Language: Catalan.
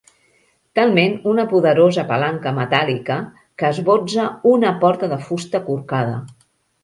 Talment una poderosa palanca metàl·lica que esbotza una porta de fusta corcada.